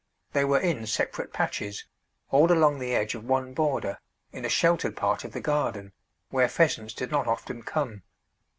They were in separate patches, all along the edge of one border, in a sheltered part of the garden, where pheasants did not often come.